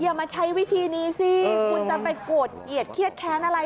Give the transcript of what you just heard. อย่ามาใช้วิธีนี้สิคุณจะไปโกรธเขียดค้างอะไร